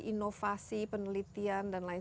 inovasi penelitian dan lain